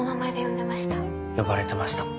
呼ばれてました。